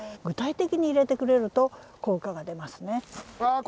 具体的に入れてくれると効果が出ますね。